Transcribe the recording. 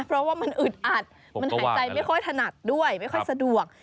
เพราะว่ามันอึดอัดมันหายใจไม่ค่อยถนัดด้วยไม่ค่อยสะดวก